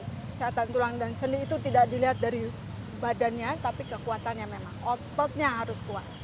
kesehatan tulang dan seni itu tidak dilihat dari badannya tapi kekuatannya memang ototnya harus kuat